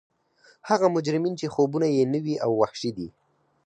هغه مجرمین چې خوبونه یې نوي او وحشي دي